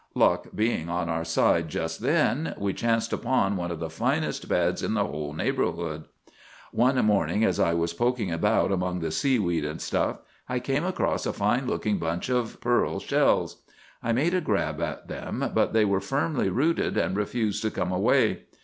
Luck being on our side just then, we chanced upon one of the finest beds in the whole neighborhood. "'One morning, as I was poking about among the seaweed and stuff, I came across a fine looking bunch of pearl shells. I made a grab at them, but they were firmly rooted and refused to come away.